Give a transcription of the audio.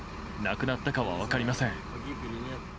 亡くなったかは分かりません。